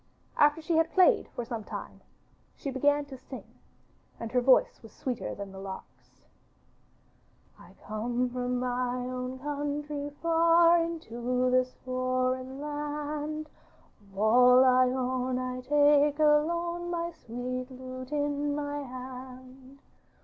After she had played for some time she began to sing, and her voice was sweeter than the lark's: 'I come from my own country far Into this foreign land, Of all I own I take alone My sweet lute in my hand.